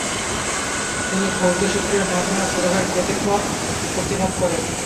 তিনি ভৌত সূত্রের মাধ্যমে গ্রহের গতিপথ প্রতিপাদন করেন।